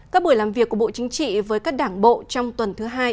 các buổi làm việc của bộ chính trị với các đảng bộ trong tuần thứ hai